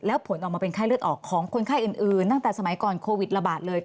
แล้วผลออกมาเป็นไข้เลือดออกของคนไข้อื่นตั้งแต่สมัยก่อนโควิดระบาดเลย